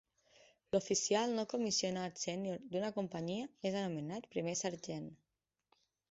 L'oficial no comissionat sènior d'una companyia és anomenat primer sergent.